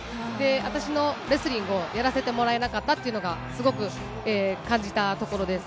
私のレスリングをやらせてもらえなかったっていうのが、すごく感じたところです。